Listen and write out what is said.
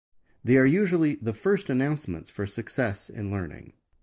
They are usually the first announcements for success in learning.